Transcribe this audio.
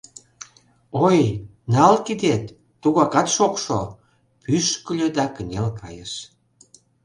— Ой, нал кидет, тугакат шокшо, — пӱшкыльӧ да кынел кайыш.